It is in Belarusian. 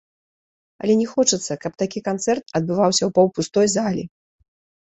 Але не хочацца, каб такі канцэрт адбываўся ў паўпустой залі.